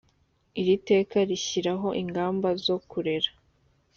iri teka rishyiraho ingamba zo kurera .